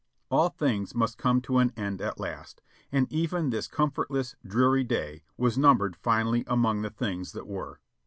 All things must come to an end at last; and even this com fortless, dreary day was numbered finally among the things that were.